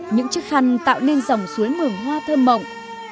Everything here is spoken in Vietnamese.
những chiếc khăn tạo nên dòng suối mường hoa thơm mộng